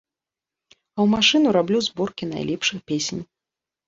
А ў машыну раблю зборкі найлепшых песень.